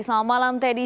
selamat malam teddy